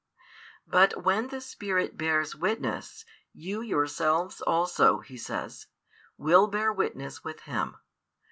But when the Spirit bears witness, you yourselves also, He says, will bear witness with Him.